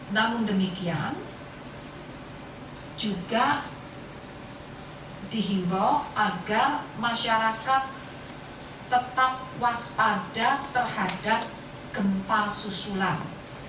namun demikian juga dihimbau agar masyarakat tetap waspada terhadap gempa susulan